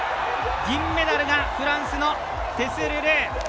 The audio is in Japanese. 銀メダルがフランスのテス・ルドゥー。